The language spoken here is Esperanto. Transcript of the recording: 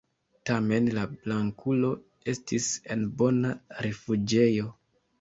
Tamen la Blankulo estis en bona rifuĝejo.